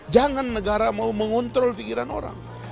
jangan negara mau mengontrol pikiran orang